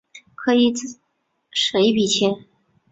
可以省一笔钱